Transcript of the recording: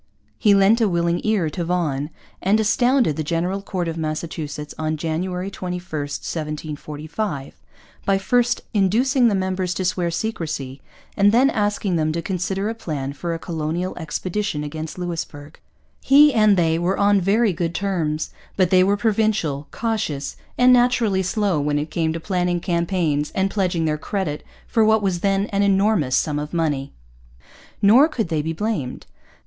He lent a willing ear to Vaughan, and astounded the General Court of Massachusetts on January 21, 1745, by first inducing the members to swear secrecy and then asking them to consider a plan for a colonial expedition against Louisbourg. He and they were on very good terms. But they were provincial, cautious, and naturally slow when it came to planning campaigns and pledging their credit for what was then an enormous sum of money. Nor could they be blamed.